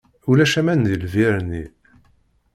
Ulac aman deg lbir-nni.